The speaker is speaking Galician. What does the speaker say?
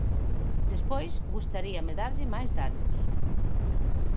Despois gustaríame darlle máis datos.